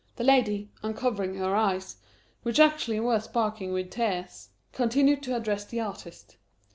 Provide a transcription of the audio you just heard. The lady, uncovering her eyes which actually were sparkling with tears continued to address the artist.